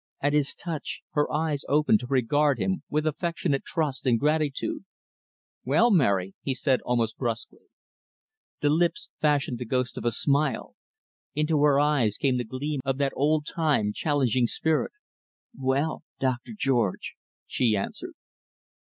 At his touch, her eyes opened to regard him with affectionate trust and gratitude. "Well Mary," he said almost bruskly. The lips fashioned the ghost of a smile; into her eyes came the gleam of that old time challenging spirit. "Well Doctor George," she answered.